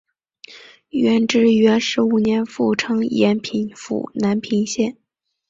元至元十五年复称延平府南平县。